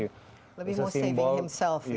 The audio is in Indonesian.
lebih more saving himself gitu ya